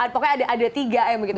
pokoknya ada tiga m begitu